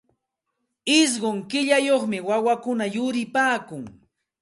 Ishqun killayuqmi wawakuna yuripaakun.